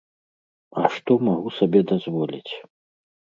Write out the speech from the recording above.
А што магу сабе дазволіць?